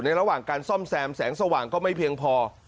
ระหว่างการซ่อมแซมแสงสว่างก็ไม่เพียงพอ